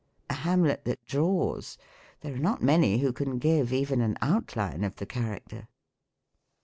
A Hamlet that draws ? There are not many '.viio C3.n give even an outline of the character.